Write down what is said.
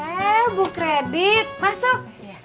eh bu kredit masuknya